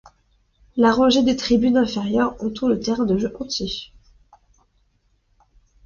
La rangée de tribune inférieure entoure le terrain de jeu entier.